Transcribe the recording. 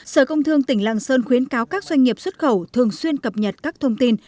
sở công thương tỉnh lạng sơn khuyến cáo các doanh nghiệp xuất khẩu thường xuyên cập nhật các thông tin